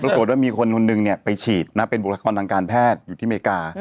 ปรากฏว่ามีคนคนหนึ่งไปฉีดนะเป็นบุคลากรทางการแพทย์อยู่ที่อเมริกา